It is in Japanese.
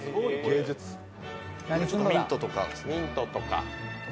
ミントとか。